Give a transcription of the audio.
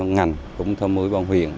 ngành cũng thâm mưu ban huyền